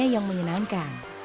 tapi yang menyenangkan